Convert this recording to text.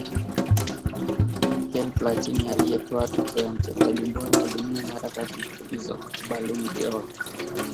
Michel Platini aliyetwaa tuzo ya mchezaji bora wa dunia mara tatu mfululizo Ballon dOr